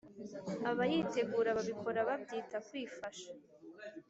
abayitegura babikora babyita kwifasha